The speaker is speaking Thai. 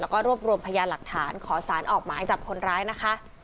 แล้วก็รวบรวมพยานหลักฐานขอสารออกหมายจับคนร้ายนะคะ